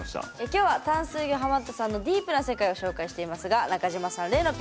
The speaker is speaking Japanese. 今日は「淡水魚」ハマったさんのディープな世界を紹介していますが中島さん例のＰＲ